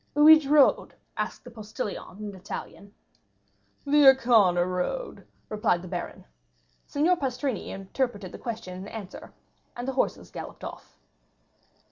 "Which road?" asked the postilion in Italian. "The Ancona road," replied the baron. Signor Pastrini interpreted the question and answer, and the horses galloped off.